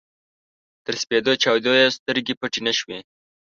تر سپېده چاوده يې سترګې پټې نه شوې.